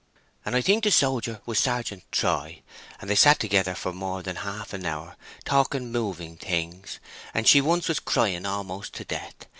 "And I think the sojer was Sergeant Troy. And they sat there together for more than half an hour, talking moving things, and she once was crying a'most to death.